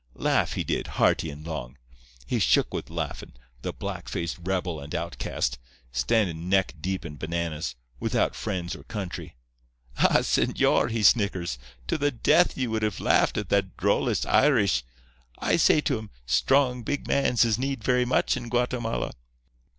Laugh, he did, hearty and long. He shook with laughin', the black faced rebel and outcast, standin' neck deep in bananas, without friends or country. "'Ah, señor,' he snickers, 'to the death you would have laughed at that drollest Irish. I say to him: "Strong, big mans is need very much in Guatemala."